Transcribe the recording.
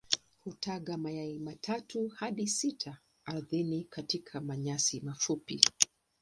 Hutaga mayai matatu hadi sita ardhini katikati ya manyasi mafupi.